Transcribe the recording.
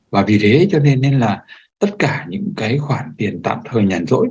và vì thế cho nên là tất cả những cái khoản tiền tạm thời nhàn rỗi